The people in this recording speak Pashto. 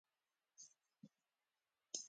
تر ټولو ډېر ګټور تولیدات د ګنیو شراب و.